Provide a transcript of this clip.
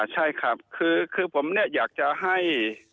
ใช่ครับคือผมอยากจะให้